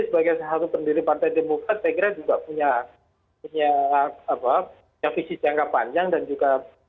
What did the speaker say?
sebagai salah satu pendiri partai demokrat saya kira juga punya visi jangka panjang dan juga